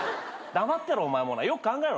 黙ってろお前よく考えろ。